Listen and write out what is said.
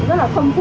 rất là không thể